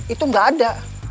itu engga ada